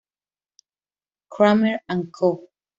Cramer and Co.